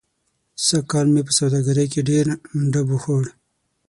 سږ کال مې په سوادګرۍ کې ډېر ډب و خوړ.